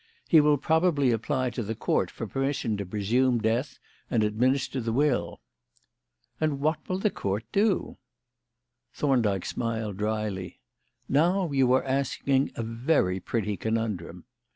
He will probably apply to the Court for permission to presume death and administer the will." "And what will the Court do?" Thorndyke smiled drily. "Now you are asking a very pretty conundrum.